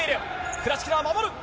クラチキナは守る！